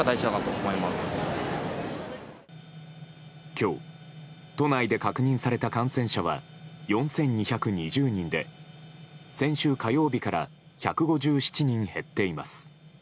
今日、都内で確認された感染者は４２２０人で先週火曜日から１５７人減っています。